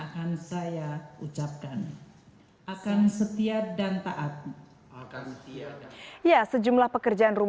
kata kata sumpah yang akan saya ucapkan akan setia dan taat